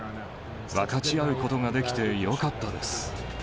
分かち合うことができてよかったです。